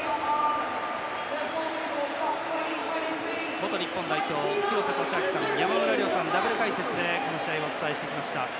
元日本代表廣瀬俊朗さん、山村亮さんのダブル解説でこの試合をお伝えしてきました。